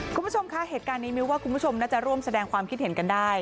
คุณผู้ชมคะเหตุการณ์นี้มิ้วว่าคุณผู้ชมน่าจะร่วมแสดงความคิดเห็นกันได้